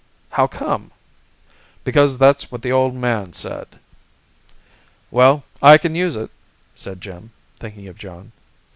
"How come?" "Because that's what the Old Man said." "Well, I can use it!" said Jim, thinking of Joan.